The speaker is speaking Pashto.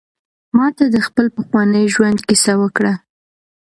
ما ته د خپل پخواني ژوند کیسه وکړه.